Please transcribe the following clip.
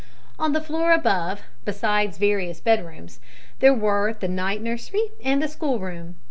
On the floor above, besides various bedrooms, there were the night nursery and the schoolroom.